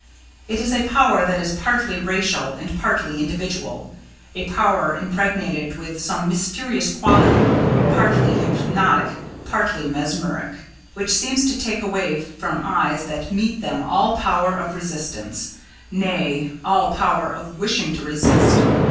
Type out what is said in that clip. It is a power that is partly racial and partly individual: a power impregnated with some mysterious quality, partly hypnotic, partly mesmeric, which seems to take away from eyes that meet them all power of resistance nay, all power of wishing to resist.